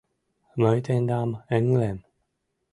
Мый тендам ыҥлем.